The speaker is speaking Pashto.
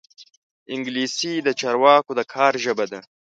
انګلیسي د چارواکو د کار ژبه ده